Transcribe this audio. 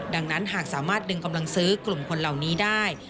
ดังนั้นหากสามารถดึงกำลังซื้อกลุ่มคนเหล่านี้ได้